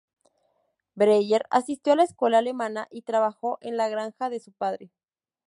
Breyer asistió a la escuela alemana y trabajó en la granja de su padre.